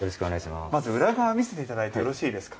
まず裏側を見せていただいてよろしいですか。